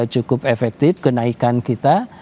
cukup efektif kenaikan kita